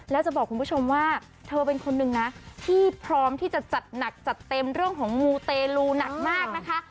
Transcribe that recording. แล้วจะบอกคุณผู้ชมว่าเธอเป็นคนหนึ่งนะที่พร้อมที่จะจัดหนักจัดเต็มเรื่องของมูเตลูหนักมากนะคะ